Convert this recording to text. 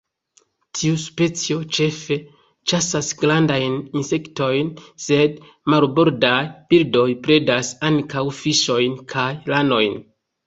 Tiu specio ĉefe ĉasas grandajn insektojn, sed marbordaj birdoj predas ankaŭ fiŝojn kaj ranojn.